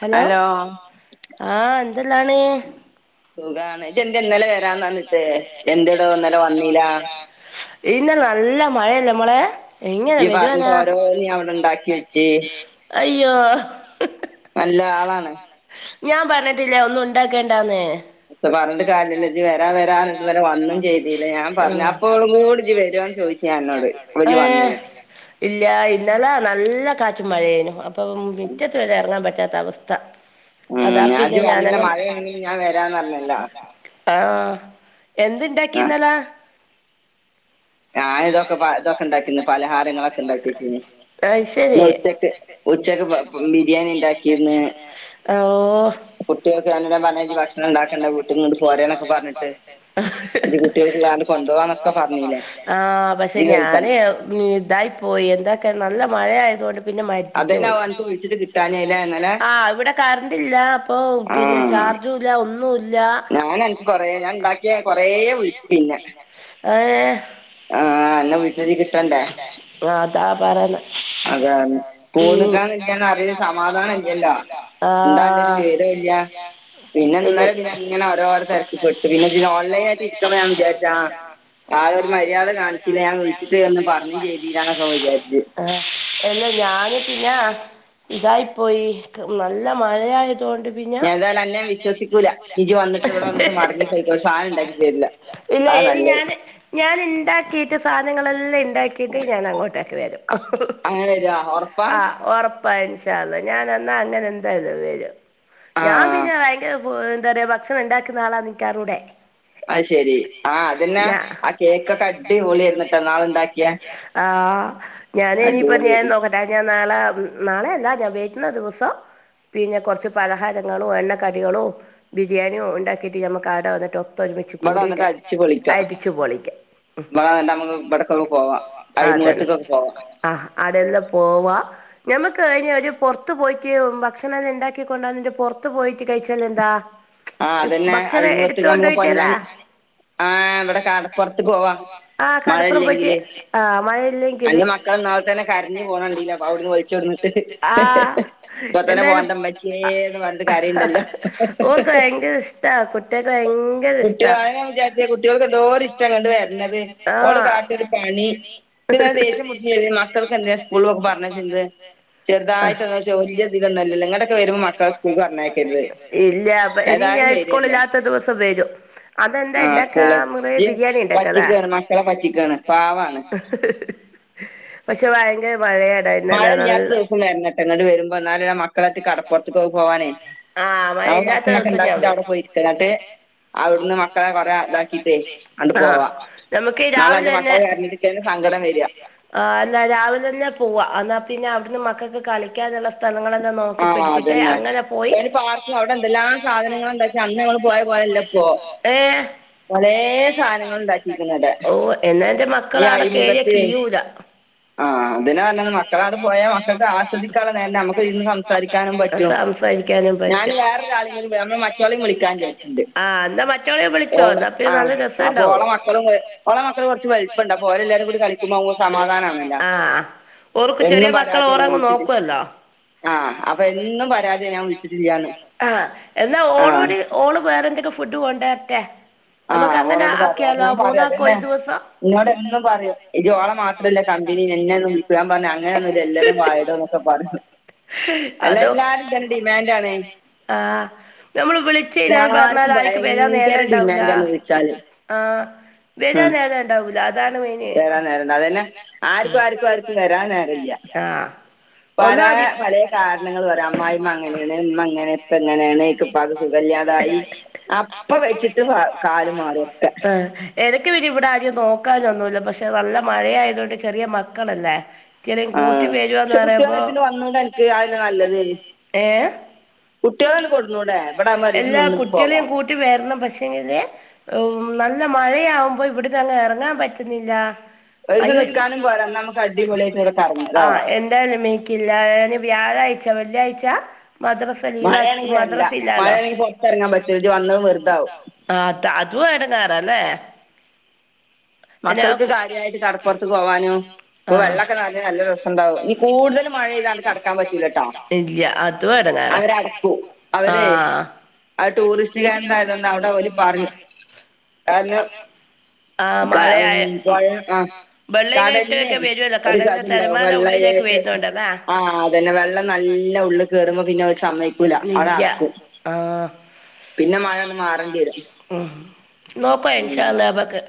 Hello? ആഹാ ന്തെല്ലാണ്? സുഖാണ്. ഇജ്ജ് എന്തേ ഇന്നലെ വരാന്നർഞിട്ട് എന്തിടോ ഇന്നലെ വന്നിലാ? ഈന്ന് നല്ല മഴല്ലേ മ്മളെ? യ്യ് പറഞ്ഞിട്ട് ഓരോന്ന് ഞാൻ ഇവിടെ ഇണ്ടാക്കി വെച്ച്. അയ്യോ, ഹ് ഹ് ഹ്. നല്ലാളാണ്. ഞാൻ പറഞ്ഞിട്ടില്ലേ ഒന്നും ഉണ്ടാക്കേണ്ടാന്ന്? ഇജ് പറഞ്ഞിട്ട് കാര്യല്ല. ഇജ്ജ് വരാ വരാർഞിട്ട് ഇന്നലെ ചെയ്തില്ലേ? ഞ്ഞപ്പോളും കൂടി ഇജ് വരുന്ന് ഏ ഇല്ല ഇന്നലെ നല്ല കാറ്റും മഴയേനു. ഇപ്പം മിറ്റത്ത് വരേ എറങ്ങാൻ പറ്റാത്ത അവസ്ഥ. ഉും ഞാൻ ജ്ജ് നല്ല മഴയണെങ്കിലും ഞാൻ വരാന്ന്റഞ്ഞല്ലോ? ആഹ് എന്ത്‌ണ്ടാക്കിന്നലെ? ഞാ ഇതൊക്കെ പ ഇതൊക്കെ ഇണ്ടാക്കിന്ന് പലഹാരങ്ങളൊക്കെ ഇണ്ടാക്കി വെച്ചീനിം ഇന്ന് ഉച്ചക്ക്. ഉച്ചക്ക് ബിരിയാണി ഉണ്ടാക്കിർന്ന്. കുട്ടികൾക്ക് അന്നോട് പറഞ്ഞരി ഭക്ഷണം ഉണ്ടാക്കണ്ട വീട്ടിന്ന്. പോരന്നൊക്കെ പറഞ്ഞിട്ട് കുട്ടികൾക്കള്ളാണ്ട് കൊണ്ടുവാന്നൊക്കെ പറഞ്ഞീലെ? ആഹാ പക്ഷെ ഞാന് ഇതായി പോയി ഇതൊക്കെ നല്ല മഴയതുകൊണ്ട്. പിന്നെ മര്ത്തീറ്റ്ന് പോയി. ആഹ് ഇവിടെ കറണ്ട്ല്ല, അപ്പോ പിന്നെ ചാർജും ഇല്ല, ഒന്നും ഇല്ല, ഞൻ അനക് കൊറേ ഉണ്ടാക്കിയ കൊറെ വിളിച്ചിന്നെ. ആഹാ ആഹാ അന്നെ വിളിചിട്ട്കിട്ടണ്ടേ അതാ പറയ്ന്ന്. ഉും ഒന്ന് നിക്കാൻ കിട്ടിയാല് അത് സമാധാന ഇൽഞല്ലോ ആഹാ അത്ഒന്ന് വെരുംല്ല്യ [unintelligible] ഇങ്ങനെ ഒരോരേ ത്തരക്ക്പ്പെട്ട്. പിന്നെജ് ഓൺലൈൻ ആയിട്ട ഇരിക്കുമ്പ ഞാൻ വിചാരിച്ച് ആഹാ ആള് ഒരു മര്യാദ കാണിച്ചില്ല. ഞാൻ വിളിച്ചിട്ട് എന്ന് പറഞ്ഞ് ചെയ്തിലാന്നോക്കെ വിചാരിച്ച് ആഹ് എല്ല ഞാന് പിന്നാആഹാ ഇതായി പോയി. ക് നല്ല മഴയതുഓണ്ട് ഞ്ഞ് ഏതാലും അന്നെ വിശ്സിക്കൂല്ല. ഇജിട്ട് വന്ന്ട്ട് ഇവിടെ വന്ന്ട്ട് മടങ്ങിപ്പോയിക്കോ ഒരു സാധനം ഉണ്ടാക്കി തരില്ല. ഇല്ല ഇനി ഞാന്. ഞാൻ ഇണ്ടാക്കിട്ട് സാനങ്ങളെല്ലാം ഇണ്ടാക്കിട്ട് ഞാൻ അങ്ങോട്ടക്കി വരും. ഹും ഹും. അങ്ങനെ വരോ ഒറപ്പാ? ഒറപ്പായും ഇൻശാഅല്ലാഹ്‌. ഞാൻ എന്നാൽ അങ്ങനന്താ എന്തായാലുംവരും ഞാൻ പിന്നെ ഭയങ്കര പ്പോ എന്താറയാ ഭക്ഷണം ണ്ടാക്കുന്ന ആളാ നിക്കാറിഞ്ഞുടെ? അ ശെരി. ആഹ് അതിന്നെ ആ കേക്കൊക്കെ അടി പൊളിയായിരുന്നിട്ടാ ന്നാള് ണ്ടാക്കിയാ ആഹ് ഞാനി ഇനിപ്പാ ഞാൻ നോക്ക ന്താ ഞാൻ നാളെ നാളെ അല്ല ഞാൻ വെരുന്ന ദിവസം. പിന്നെ കുറച്ച് പലഹാരങ്ങളും, എണ്ണക്കടികളും, ബിരിയാനു ഉണ്ടാക്കിയിട്ട് നമുക്ക് ആടെ വന്നിട്ട് ഒത്തൊരുമിച്ച് കൂടിയിട്ട് അടിച്ചു പൊളിക്കാം. വാ ഇന്നട്നമ്മക്ക് ഇവട്ക്കൊക്കെ പോവാ അഴിമുഖത്ത്ക്കൊക്കെ പോവാ. ആഹ് ആടെല്ലാം പോവാ ഞമ്മക്ക് അഴിഞ്ഞ് ഒര് പൊറത്ത് പോയിട്ട് ഭക്ഷണല്ലാം ഇണ്ടാക്കി കൊണ്ടന്നിട്ട് പൊറത്ത് പോയിട്ട് കഴിച്ചാലെന്താ ആഹ് അതന്നെ അഴിമുഖത്ത്ല് അമ്മളെ പൊന്നാനി ഏഹ് ഇവടെ കടപ്പൊർത്ത്ക്ക് പോവാ മഴല്ലെങ്കില് അന്റെ മക്കള് ഇന്നാള്തന്നെ കരഞ്ഞ് പോണണ്ടീല്ലെ അവുട്ന്ന് വൽച്ചൊട്ന്നിട്ട് ഇപ്പത്തനെ പോണ്ടമ്മച്ചേന്ന് പറഞ്ഞിട്ട് കരീണ്ടല്ലോ കുട്ടിയാളെ ഞാൻ വിചാരിച്ചെ കുട്ടോൾക്ക് എന്തോര് ഇഷ്ടാ ഇങ്ങണ്ട് വെര്നത് ഓള് കാട്ട്യോരുപണി ഇക്ക്ങ്ങനെ ദേഷ്യം പുടിച്ചുവെരാണ് മക്കൾക്ക് എന്തെ സ്കൂളിലൊക്കെ പറഞ്ഞയച്ചീനത് ചെറുതായിട്ടൊന്ന് പക്ഷേ വല്ല്യ ഇതിലൊന്നുല്ലല്ലോ ഇങ്ങടൊന്നും വരുമ്പോ മക്കളെ സ്കൂൾക്ക് പറഞ്ഞയക്കര്ത് പ്പം എനി ഞാ സ്കൂളില്ലാത്ത ദിവസം വെരും അതെന്താ ഇണ്ടാക്കാ നമ്മള് ബിരിയാണി ഇണ്ടാക്കാല്ലേ പറ്റിക്കാണ് മക്കളെ പറ്റിക്കാണ് പാവാണ് പക്ഷെ ഭയങ്കര മഴയാണ് മഴല്ല്യാത്ത ദിവസം വെര്നട്ടാ ഇങ്ങണ്ട് വെരു പ്പൊവെന്നാലെല്ലേ മക്കളെറ്റ് കടപ്പുറത്ത് കൊക്കെ പോവാന് ഞമ്മക് ഭക്ഷണൊക്കെ ഇണ്ടാക്കിട്ട് അവിടെ പോയിര്ക്ക ന്നട്ട് അവ്ട്ന്ന് മക്കളെ കൊറേ ഇതാക്കിട്ടേയ് ആണ്ട് പോവാ ഇന്നാള് അന്റെ മക്കള് കരഞ്ഞിട്ട് ഇക്കെന്നെ സങ്കടം വെരാ ആഹ് അല്ല രാവിലെന്നെ പോവാ അന്നാ പിന്നെ അവ്ട്ന്ന് മക്കൾക്ക് കളിക്കാനുള്ള സ് ആഹ് അതന്നെ ഒര് പാർക്കും അവ്ടെ എന്തെല്ലാം സാധനങ്ങള്ണ്ട് പക്ഷെ അന്ന് ങ്ങള് പോയ പോലല്ലപ്പോ ഏഹ് പലേ സാനങ്ങള് ഇണ്ടാക്കിക്ക്ണ് അടെ എന്നാ എന്റെ മക്കളവിടെ കേറിയാ കീഴൂല ആഹ് അതിനാ പറഞ്ഞത് മക്കളാട് പോയാ മക്കക്ക് ആസ്വദിക്കാനേരണ്ട് നക്ക് ഇര്ന്ന് സം സാരിക്കാനും പറ്റും ഞാന് വേറൊരാളിം കൂടി നമ്മെ മറ്റാളിം വിളിക്കാൻജാരിക്ക്ണ്ട് ആഹ് ന്നാ മറ്റോളിം വി ഓള് ആഹ് അപ്പൊ ഓളെ മക്കളും ഓളെ മക്കള് കൊറച്ച് വൽപ്പണ്ട് അപ്പൊ ഓരെല്ലാരും കൂടി കളി കളിക്കുമ്പം ഞമ്മക്ക് സമാധാനാണല്ലൊ ആഹ് ഓർക്ക് ചെറിയമക്കള് ഓറങ്ങ് നോക്കുവല്ലോ ആഹ് അപ്പെന്നും പരാതിയാ ഞാംവിളിച്ചിട്ടില്ലാന്ന് ആഹ് എല്ല ഓളോട് ഓള് വേറെന്തെങ്ക ഫുഡ് കൊണ്ടേര്റ്റെ ആഹ് ഓളോട് പറയാ ഞാം പറയാ അതന്നെ ഇന്നോട് എന്നും പറ്യും ഇജ്ജ് ഓളെ മാത്രല്ലേ കമ്പിനി നെന്നെ ഒന്നും വിളിക്കൂല ഞാ പറിം അങ്ങനൊന്നുല്ല എല്ലാരും വായെടൊന്നൊക്കെ പറിം [inaudible] അതോ എല്ലാര്ക്കും ഒര് ഡിമാൻ്റാണ് ആഹ് നമ്മള് വിളിച്ചഴിഞ്ഞാൻ പറഞ്ഞാൽ ആര്ക്കും വെരാനേരണ്ടാവൂല [unintelligible] നമ്മള് വിളിച്ചാല് ആഹ് വെരാൻ നേരണ്ടാവൂല അതാണ് മെയിന് വരാനേരണ്ടാവൂല അതന്നെ ആര്കും ആര്ക്കും ആര്ക്കും വരാനേരല്ല ആഹ് പാരാ [unintelligible] പലേ കാരണങ്ങൾ പറിം അമ്മായിമ്മ അങ്ങനെയാണ് ഇമ്മ ഇങ്ങനെ ഇപ്പ ഇങ്ങനെയാണ് ക്ക് ഇപ്പാക്ക് സുഖല്ലാതായി അപ്പവെച്ചിട്ട് പ ക കാല് മാറും ആഹ് എനക്ക് പിന്നെ ഇവിടെ ആരേം നോക്കാനൊന്നുല്ല പക്ഷെ നല്ല മഴയായതുകൊണ്ട് ചെറിയ മക്കളല്ലേ ഇറ്റളീം കൂട്ടി വെരുവാന്ന് പറയുമ്പോ വിളിച്ചിട്ട് വന്നൂടെ അനക്ക് അയല്ലെ നല്ലത് ഏഹ് കുട്ടേളെ ഈണ്ട് കൊട്ന്നൂടെ എല്ലാ കുട്ടെളിം കൂട്ടി വെര്ണം പക്ഷെങ്കില് ഉം നല്ല മഴയാവുമ്പോ ഇവ്ട്ന്ന് അങ്ങ് എറങ്ങാൻ പറ്റ്ന്നില്ല അയ്യോ ര് നിക്കാനും പോരാ ന്നാമ്മക്ക് അടിപൊളിയായിട്ട് വ്ടെ കറങ്ങും ചെയ്യ ആഹ് എ എന്തായലുംമേക്കില്ല ഞാന് വ്യാഴായിച്ച വെള്ളിയാഴ്ച്ച മദ്റസ് മഴേണെങ്കി വെര്ണ്ട മഴയാണെങ്കി പൊറത്ത് എറങ്ങാൻ പറ്റുല. ഇജ്ജ് വന്നഹും വെർതാവും ആഹ് അത അതും എടങ്ങേറാ ല്ലേ മക്കൾക്ക് കാര്യയിട്ട് കടപ്പൊർത്ത്ക്കോവാനും ഇപ്പൊ വെള്ളൊക്കെ നെർഞ്ഞ് നല്ല രസണ്ടാവും ഇഞ് കൂട്തലും മഴെയ്ത ആണ്ട് കടക്കാൻ പറ്റൂലട്ടാ അവരടക്കും അവര് അയ് ടൂറിസ്റ്റ് കേന്ദ്രായതോണ്ട് അവ്ടെ ഓല് പറ്യും കാരണം ആഹ് മഴയായ ബെള്ളങ്ങനെ ഒക്കൊക്കെ വരുവല്ലോ കടലിന്റെ തെരമാല ഉള്ളിലേക്ക് വരുന്നണ്ടാതാ ആഹ് അതന്നെ വെള്ളം നല്ല ഉള്ളി കേറുമ്പോ പിന്നെ ഓല് സമക്കില്ല ആഹ് പിന്നേ മഴൊന്ന് മാറേണ്ടി വരും ഉം നോക്കൻഷല്ലബക്ക്.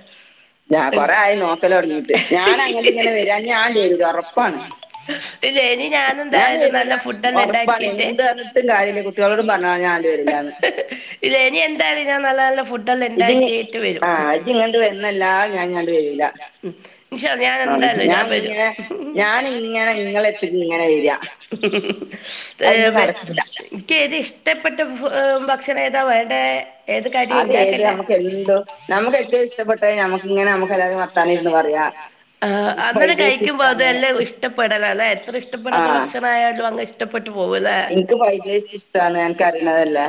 ആഹ് കൊറെ ആയി നോക്കല് തൊടങ്ങിയിട്ട് ഞാന അങ്ങട്ട് ഇങ്ങനെ വരാ ഞാ തെരും ഒറപ്പാണ്. ഇല്ലേനി ഞാനന്തായാല നല്ല ഫുഡ് എല്ലാം ഉണ്ടാക്കിട്ട് ഇല്ല ഇനി എന്തായാലും ഞാൻ നല്ല നല്ല ഫുഡ് എടീ ആഹ് ജ് ഇങ്ങോട്ട് വരുന്നല്ല ഞാൻ ഇങ്ങാണ്ട് വരില്ല. ഉം നിശാ ഞാൻ എന്താലോ ഞാൻ വരും. ഞാനി ങ്ങനെ ഇങ്ങളെ എത്തിട്ട ഇങ്ങനെ വരിക തേവേ നിക്ക് ഏതി ഇഷ്ടപ്പെട്ട ഫു ഭക്ഷണം ഏതാ വേണ്ട? അത് ഏത് നമുക്ക് എന്തോ നമുക്ക് ഏറ്റവും ഇഷ്ടപ്പെട്ട നമുക്ക് ഇങ്ങനെ നമുക്ക് എല്ലാവും വർത്താനിര്ന്ന് പറയാ ആഹ് അന്നനെം കഴിക്കുമ്പോ അതെല്ലാം ഇഷ്ടപ്പെടല അല്ല എത്ര ഇഷ്ടപ്പെടാത്ത ഭക്ഷണയാലും അങ് ഇഷ് ട്ടപ്പെട്ട് പോവുല്ലേ നിക്ക് ഫൈഡ്രസ് ഇഷ്ടമാണ് നക്ക്റിയണതല്ലേ?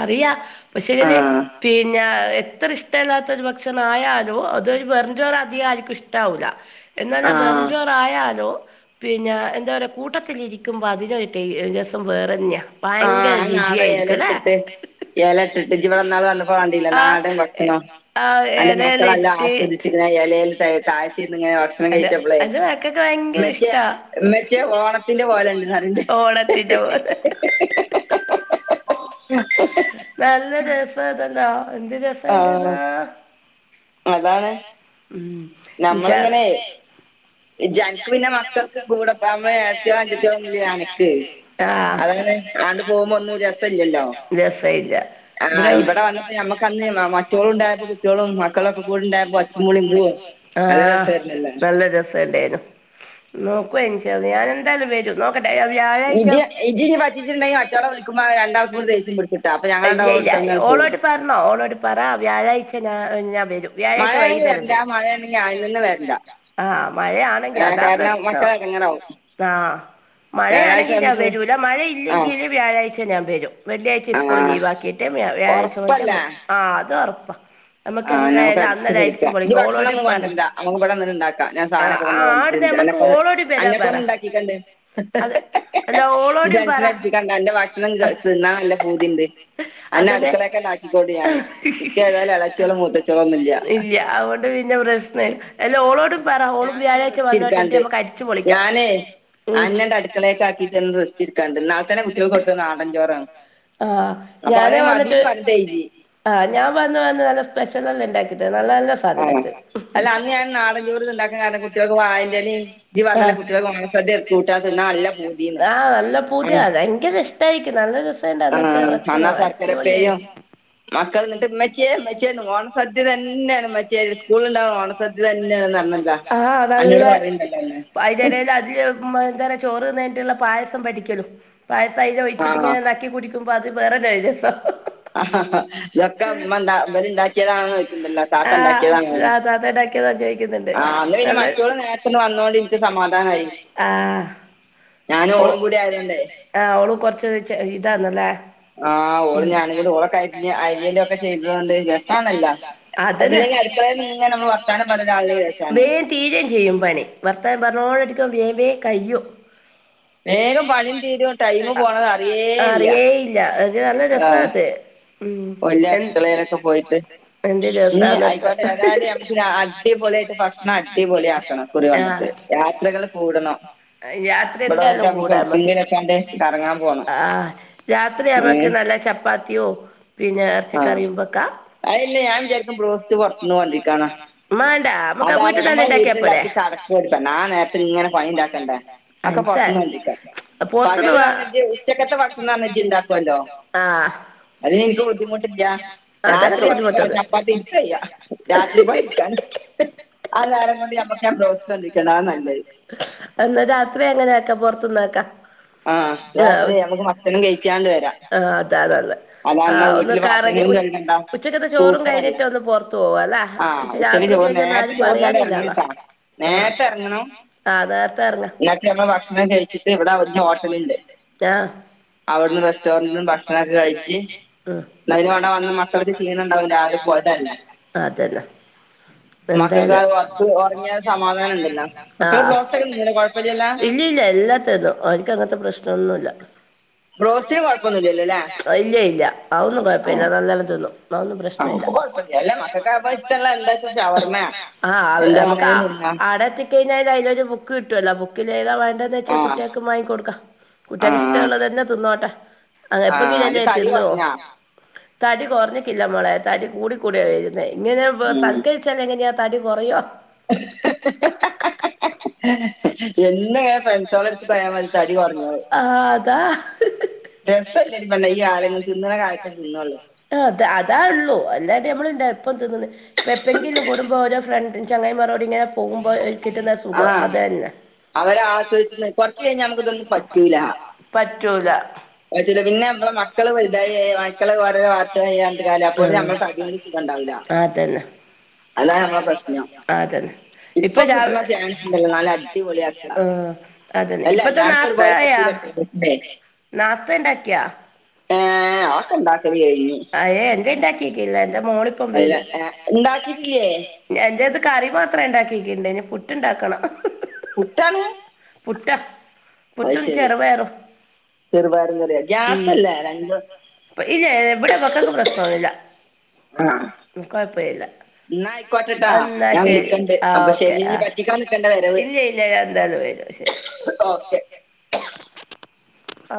അറിയാം പക്ഷെതില് പിന്നെ എത്ര ഇഷ്ടല്ലാത്തൊരു ഭക്ഷണയാലൊ അത് വെറും ചോറ് അധികമായിരിക്കും ഇഷ്ടവുല്ല. എന്നാല ബെർചോറ് ആയാലോ പിന്നെ എന്താ പറയാ കൂട്ടത്തിലിരിക്കുമ്പോ അതിനൊരു ടേ രസം വേറെഞ്ഞയ ആഹ് നാളെ ല എടുത്തിട്ട് ഇല ഇട്ടിട്ട് ജിവിടെന്നാള വന്ന പോകണ്ടില്ലേ നാടാൻ ഭക്ഷണം. ന്റെ മക്കളെല്ലാം ആസ്വദിച്ചി ഇങ്ങനെ ഇലയിൽ താഴത്തിന്ന് ഇങ്ങനെ ഭക്ഷണം കഴിച്ചപ്പളേ ക്ക്ക്കെ ഭയങ്കര ഇഷ്ട എമ്മച്ച്യോ ഓണത്തിന്റെ പോലെ [unintelligible] നല്ല രസ ഇതല്ലോ എന്ത് രസായിണ്ടന്ന അതാണ്ഉം ജ്ജ ങ്ങനേ ജ്ജക്ക് പിന്നെ മക്കൾക്ക് കൂടെപ്പാവ്പോ ഏഴരത്തിയോ അഞ്ചത്തിയോള്ള നക്ക്. ആഹ് അതണ് അണ്ട് പോകുമ്പോ ഒന്നും രസ ഇല്ല്യാല്ലോ രസ ഇല്ല ഇവിടെ ഇവിടെ വന്നിട്ട് ഞമ്മക്കന്ന് മറ്റോള്ണ്ടാരിന്ന് കുട്ട്യോള് ആഹ് നല്ല രസ ഇണ്ടായിനു നോക്കുനച്ച ഞാൻ എന്തായാലും വരും നോക്കട്ടെ വ്യാഴാഴ്ച റ്റിച്ചിട്ടുണ്ടെങ്കി മറ്റള വിളിക്ക്പോ രണ്ടാക്കൂ ദേശ്യം പിടിക്കുട്ട അപ്പ ഞങ്ങണ്ടാവ ഒടുക്കങ്ങട് പോവും. പറഞ്ഞോ ഓളോട് പറയാ വ്യാഴാ്ച ഞാ ഞാൻ വരും. മഴയാണെങ്കിൽ വരണ്ട മഴയാണെങ്കിൽ അയിതന്നേ വരണ്ട. ആഹ് മഴയാണെങ്കി അതാ പ്രശ്നം ആഹ് മഴയാണെങ്കിൽ ഞാൻ വരൂല മഴ ഇല്ലെങ്കില് വ്യാഴാഴ്ച ഞാൻ വരും- വെള്ളിയാഴ്ച സ്കൂള് ലീവ് ആക്കിട്ട് വ്യാഴാഴ്ച വണക്കാ ആഹ് അതു ഒറപ്പാ. ആഹ് നമുക്ക് അടച്ച് പൊളിക്കാം ഇനി ഭക്ഷണം ഒന്നും കൊണ്ട്ണ്ട നമ്മക്ക് ഇവിടെന്നണ്ടാക്ക ഞാൻ സാനൊക്കെ വിന്ന് അന്നെക്കൊണ്ട് ഉണ്ടാക്കിക്കണ്ട് നീ ടെൻഷനടിപ്പിക്കാണ്ട് അന്റെ വാഷ് തിന്ന നല്ല പൂതിണ്ട് അന്നെ അടുക്കളൊക്കൊതാക്കിക്കോണ്ട് ഞാന്ക്ക് ഏതാലുംളെ ചല മൂത്തേച്യോലന്നില്ല- പിന്നെ പ്രശ്ന അല്ല ഓളോടും പറ ഓളും വ്യാഴാഴ്ച വന്നോട്ടേ ന്നിട്ട്മ്മ ക്ക് അടിച്ചു പൊളിക്കാം ഉം ക്കളേക്കെക്കിട്ട ന്ന് റെസ്റ്റ് ട്ക്കാണ്ട്നാ തന്നെ കുട്ടികൊ ക്ക് നാടഞ്ചോറാ ആഹ് ഞാന് വന്നിട്ട് ആഹ് ഞാൻ വന്ന് വന്ന് നല്ല സ്പെഷ്യലല്ല ണ്ടാക്കിയത് നല്ല നല്ല ആഹ് അല്ല അന്ന് ഞാൻ നാടൻ ചോറ്ത്ണ്ടാക്കൻ കാരണം കുട്ടിയോൾക്ക് വഴന്റെലേൽ ഇജ്ജ് പറഞ്ഞല്ലോകുട്ടിയോൾ [unintelligible] ആഹ് നല്ല പൂതിയാ നയങ്കര ഇഷ്ടയിക്കും നല്ല ര- [unintelligible] അന്നത്തെ ഭക്ഷണം അടിപൊളിയായി മക്കൾന്നിട്ട് മച്ചെ മച്ചേന്ന് ഓണ സദ്യതന്നെയാണ് മച്ചിയെ സ്കൂളുണ്ടാവ ഓണസദ്- ആഹ് നല്ല പ അയിന്റെടെൽ അതിൽ [unintelligible] ചോറ്ന്നിട്ടുള്ള പായസം പഠിക്കലും പായസം അതി ന്നിട്ടിങ്ങനെ നക്കി കുടിക്കുമ്പോ അത് വേറോരയ് രസം [unintelligible] ആഹ് താത്ത ണ്ടാക്കിയ ക്കിതാ ചോയിക്കുന്നുണ്ട് അല്ലെ ആ മച്ചിയോള് നേരത്തന്നെ വന്നൊണ്ട്നിക്ക് സമാധാനായി ആ ഞാനു ഓളു കൂടി ആയതോണ്ടേ ആ ഓള് കൊറച്ച് ചെ ഇതാന്ന്ല്ലേ ആഹ് ഓള് ഞാനും കൂടി ഓളക്കരിഞ്ഞ അരിയലൊക്കെ ചെയ്തോണ്ട് രസാണല്ലോ ഒന്നുല്ലെങ്കിൽ അടുക്കളന്നിങ്ങനെ മ്മൾ വർത്താനം പറയാനാളിണ്ടേ രസാ വേം തീരേം ചെയ്യും പണി വർത്താൻ പറഞ്ഞോടടുക്കും വേ വേ കയ്യോ വേഗം പണിയും തീരും ടൈമ് പോണതറിയേല്ല്യ ല്ലാ ഒരു നല്ല രസാത് ഉം [unintelligible] പോയിട്ട് എന്ത് രസന്നിട്ട് അടിപൊളിയായിട്ട് ഭക്ഷണം അടിപൊളിയാക്കണം യാത്രകൾ കൂടണം യാത്ര എന്താലും കൂടാ അമക്ക് ആഹ് രാത്രി അമക്ക് നല്ല ചപ്പാത് ത്തിയോ പിന്നെ ഇറച്ചിക്കറിയും വക്കാ ഞാൻ വിചാരിക്കും ബ്രോസ്റ്റ് പുറത്തുന്ന് [unintelligible] മേണ്ടാ മ്മക്ക് ആ വീട്ടിൽന്നന്നെ ഇണ്ടാക്കിയാപ്പോരെ [unintelligible] നാൻ നേരത്തെങ്ങനെ ഫായിന്റക്കണ്ടേ അയിസാ അപൊർത്തുന്ന് വാ- ദ് ഉച്ചക്കത്തെ ഭക്ഷണം ഇജ്ജ് ണ്ടാക്കുല്ലോ അതിനിക്ക് ബുദ്ധിമുട്ടില്ല രാത്രി ആവുമ്പോ ചപ്പാത്തി ഇന്ക്കയ്യ രാത്രി പണിട്ക്കാൻ ആ നേരം കൊണ്ട് നമ്മക്ക് ബ്രോസ്റ്റോ ചിക്കനോ ആനല്ലത് അന്ന് രാത്രി അങ്ങനാക്കാ പൊർത്ത്ന്നാക്കാ ആഹ് രാത്രി അമക്ക് ഭക്ഷണം കഴിച്ചാണ്ട് വരാ അതാ അന്നാ വീട്ടില് പാത്രങ്ങളും കഴ്കണ്ട സൂപ്പറല്ലെ ആഹ് ഉച്ചക്ക് ചോറ് നേരത്തെ ചോറ്ന്നാണ്ട് എറങ്ങണട്ടാ നേരത്തെ എറങ്ങണം [unintelligible] ഭക്ഷണം കഴിച്ചിട്ട് ഇവിടെ വല്യ ഹോട്ടൽണ്ട് ആ അവിടന്ന് റെസ്റ്റോറന്റന് ഭക്ഷണക്കെഴിച് ഉം [unintelligible] വിടെ വന്ന് മക്കളൊക്കെ ക്ഷീണ ണ്ടാവുലെ [unintelligible] അതെതെ എന്താലും ഉറങ്ങിയാ സമാധാനണ്ടല്ല ആ [unintelligible] ഇല്ല്യ ഇല്ല്യ എല്ലാത്തന്നും ഓൻക്ക് അങ്ങനത്തെ പ്രശ്നൊന്നുല്ല ബ്രോസ്റ്റിനു കൊഴപ്പൊന്നൂല്യ ല്ലേ ല്ലേ ഇല്ല്യ ഇല്ല്യ അതൊന്നും കൊഴപ്പല്ല്യ നല്ലോണം തിന്നും ആഒന്നും പ്രശ്നല്ല്യ മ്മക്ക് കൊഴപ്പല്ല [unintelligible] മക്കക്ക് ആവുമ്പ ഇഷ്ട്ടള്ള ന്താന്ന്ച്ചാ ശവർമയ അഹ് നമുക്ക് ആ ആട എത്തി കയിഞ്ഞാലല്ലൊരു ബുക്ക് കിട്ടുവല്ലോ ബുക്കിൽ ഏതാ വേണ്ടന്ന്ച്ചാ കുട്ടികക്ക് മാങ്ങി കൊടുക്കാം കുട്ടിയോക്ക് ഇഷ്ടള്ളതന്നെ തിന്നോട്ടെ അ എപ്പങ്കിലല്ലെ തിന്നൂ തടി കുറഞ്ഞിക്കില്ല മോളെ തടി കൂടിക്കൂടിയ വരുന്നെ ഇങ്ങനെ [unintelligible] രിച്ചാ എങ്ങനെയാ തടി കുറയോ എന്നൂങ്ങനെ ഫ്രണ്ട്സോടെടുത്ത് പോയാ മതി തടി കുറഞ്ഞോളു ആ അതാ രസല്ലടി പെണ്ണെ ഈ ആ [unintelligible] കാലത്ത് തിന്ന്ണ കാലത്തെ തിന്നള്ളൂ ആ അത അതാ ഉള്ളൂ അല്ലാണ്ട് നമ്മള ഇപ്പം തിന്നന്ന് ഇപ്പ എപ്പെങ്കിലും കൂടുമ്പോ ഓരോ ഫ്രണ്ട് ചങ്ങൈമാരോട് ഇങ്ങനെ പോകുമ്പോ എ ക്കിട്ടുന്ന സുഖോ അതന്നെ അവരാസ്വദിച് കൊറച്ച് കയിഞ്ഞാൽ നമക്ക ഇതൊന്നും പറ്റു പറ്റൂല്ല പറ്റൂല [unintelligible] പിന്നെ മ്മളെ മക്കള് വൽതായാ മക്കള് ഓരോരോ വാതായാർഞ്ഞ്ട്ടാര്യല്ല പിന്നെ അമ്മളെ തടി ഒര് സുഖണ്ടാവൂല. ആ തന്നെ ആ തന്നെ ഇപ്പൊ രാ [unintelligible] ആഹ് അതന്നെ ഇപ്പത്തെ നാസ്ത ആയാ? നാസ്ത ഇണ്ടാക്ക്യാ? ഏ അതൊക്കെണ്ടാക്കല് കയ്ഞ്ഞ് ഏ എന്റെ ഇണ്ടാക്കിട്ടി ല്ല എന്റെ മോള് ഇപ്പം വെരും. ണ്ടാക്കിട്ടില്ലേ എന്റെത് കറി മാത്രം ണ്ടാക്കിക്ണ്ട് പുട്ട്ണ്ടാക്കണം. പുട്ടാണ് അത് ശെരി. ചെറുപയറും. മ് ഇല്ല ഇവിടെ മക്കക്ക് പ്രശ്നം ഒന്നുല്ല. ഇന്ക്ക് കൊഴപ്പല്ല. ഇന്നാ അയ്കോട്ടെ എന്നാ ശെരി ആ ഓക്കെ ആ ഇല്ലില്ല ഞാ എന്തായാലും വരും. ശെരി. ഓക്കെ. ഔ.